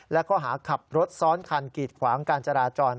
และข้อหาขับรถซ้อนคันกีดขวางการจราจร